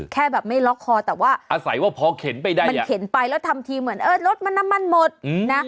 แค่แบบไม่ล็อกคอแต่ว่ามันเข็นไปแล้วทำทีเหมือนรถมันน้ำมันหมดนะ